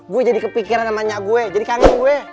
gue jadi kepikiran sama nyak gue jadi kangen gue